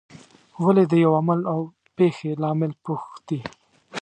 ولې د یوه عمل او پېښې لامل پوښتي.